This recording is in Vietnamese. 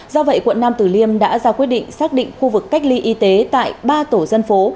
do vậy quận nam tử liêm đã ra quyết định xác định khu vực cách ly y tế tại ba tổ dân phố